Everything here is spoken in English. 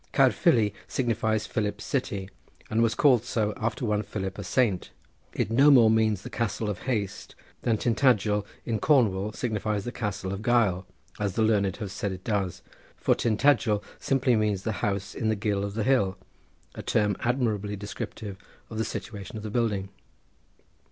Caerfili signifies Philip's City, and was called so after one Philip, a saint. It no more means the castle of haste than Tintagel in Cornwall signifies the castle of guile, as the learned have said it does, for Tintagel simply means the house in the gill of the hill, a term admirably descriptive of the situation of the building.